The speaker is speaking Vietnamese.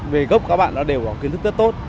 về gốc các bạn đều có kiến thức rất tốt